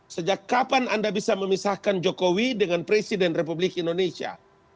sejak kapan anda bisa memisahkan jokowi dengan presiden republik indonesia